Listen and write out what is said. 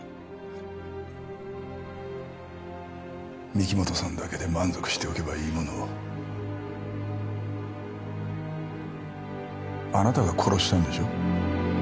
御木本さんだけで満足しておけばいいものをあなたが殺したんでしょ？